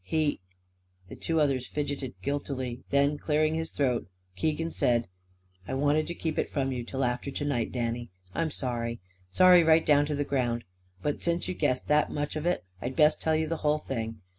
He " The two others fidgeted guiltily. Then, clearing his throat, Keegan said: "I wanted to keep it from you, till after to night, Danny. I'm sorry. Sorry, right down to the ground. But since you've guessed that much of it I'd best tell you the whole thing.